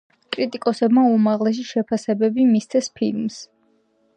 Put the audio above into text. კრიტიკოსებმა უმაღლესი შეფასებები მისცეს ფილმს.